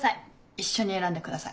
一緒に選んでください。